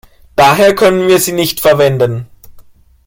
Daher können wir sie nicht verwenden.